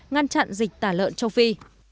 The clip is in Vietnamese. ngăn chặn dịch tả lợn châu phi